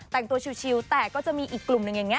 แต่งตัวชิวแต่ก็จะมีอีกกลุ่มหนึ่งอย่างนี้